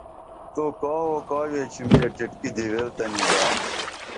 تُو کاوو کا ویچِم یہ ٹیٹکی دِویل تہ نِدا